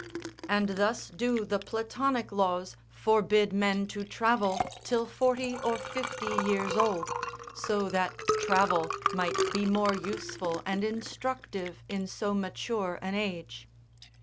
And thus do the platonic laws forbid men to travel till forty or fifty years old, so that travel might be more useful and instructive in so mature an age.